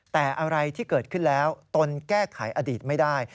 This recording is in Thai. แต่อะไรที่เกิดขึ้นแล้วตนแก้ไขอดีตไม่ได้